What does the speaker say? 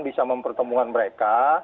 bisa mempertemukan mereka